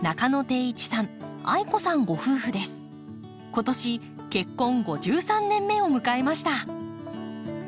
今年結婚５３年目を迎えました。